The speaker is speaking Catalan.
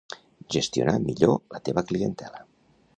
Gestionar millor la teva clientela